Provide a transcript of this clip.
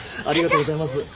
ありがとうございます。